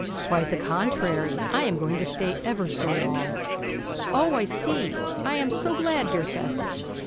'Quite the contrary. I am going to stay ever so long!' 'O I see! I am so glad, dear Festus.